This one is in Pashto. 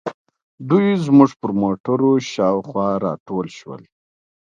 دوی زموږ پر موټرو شاوخوا راټول شول.